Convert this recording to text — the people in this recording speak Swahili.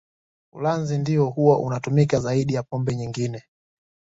Ulanzi ndio huwa unatumika zaidi ya pombe nyingine